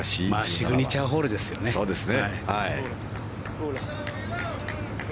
シグニチャーホールですよね。